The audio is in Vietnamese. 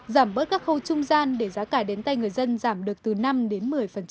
giảm bớt các khâu trung gian để giá cả đến tay người dân giảm được từ năm đến một mươi